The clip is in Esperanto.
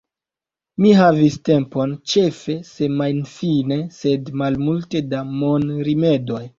Mi havis tempon, ĉefe semajnfine, sed malmulte da monrimedoj.